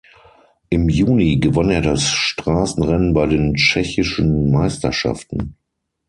Im Juni gewann er das Straßenrennen bei den tschechischen Meisterschaften.